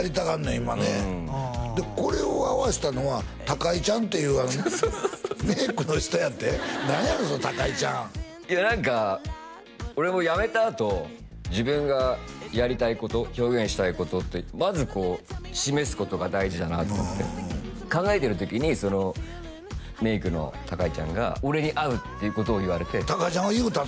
今ねこれを会わしたのは高井ちゃんっていうメイクの人やって何やねんその高井ちゃんいや何か俺も辞めたあと自分がやりたいこと表現したいことってまずこう示すことが大事だなと思って考えてる時にそのメイクの高井ちゃんが俺に合うっていうことを言われて高井ちゃんが言うたん？